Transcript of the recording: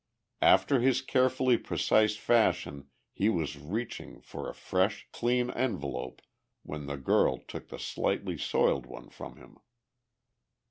After his carefully precise fashion he was reaching for a fresh, clean envelope when the girl took the slightly soiled one from him.